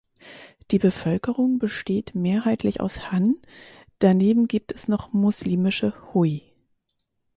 Die Bevölkerung besteht mehrheitlich aus Han, daneben gibt es noch muslimische Hui.